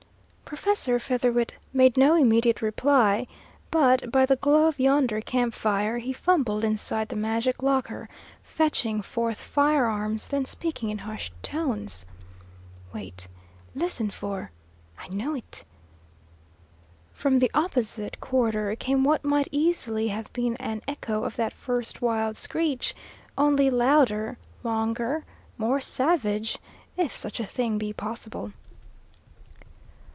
Professor Featherwit made no immediate reply, but by the glow of yonder camp fire he fumbled inside the magic locker, fetching forth firearms, then speaking in hushed tones: "Wait. Listen for I knew it!" From the opposite quarter came what might easily have been an echo of that first wild screech, only louder, longer, more savage, if such a thing be possible.